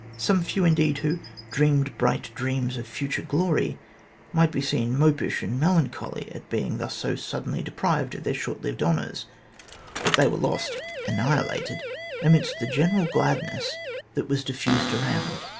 Some few, indeed, who ' Dreamed bright dreams of future glory,' might be seen mopish and melancholy at being thus so suddenly deprived of their short lived honours, but they were lost annihilated amidst the general gladness that was diffused around.